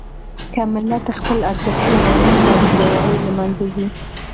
که ملت خپل ارزښتونه ونه ساتي، يووالی له منځه ځي.